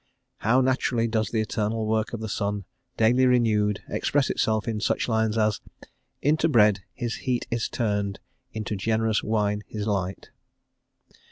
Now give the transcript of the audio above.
"How naturally does the eternal work of the sun, daily renewed, express itself in such lines as 'Into bread his heat is turned, Into generous wine his light.'